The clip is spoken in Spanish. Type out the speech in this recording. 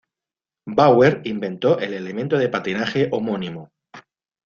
Bauer inventó el elemento de patinaje homónimo.